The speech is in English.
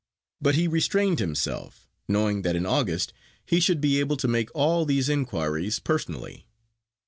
But he restrained himself, knowing that in August he should be able to make all these inquiries personally.